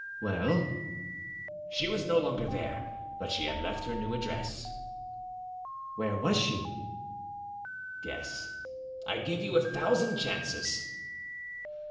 "Well?" "She was no longer there, but she had left her new address." "Where was she?" "Guess; I give you a thousand chances."